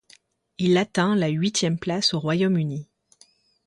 Il atteint la huitième place au Royaume-Uni.